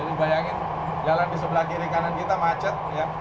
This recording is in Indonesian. jadi bayangin jalan di sebelah kiri kanan kita macet ya